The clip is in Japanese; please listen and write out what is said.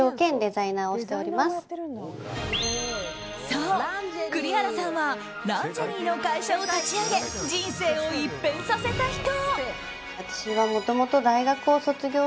そう、栗原さんはランジェリーの会社を立ち上げ人生を一変させた人。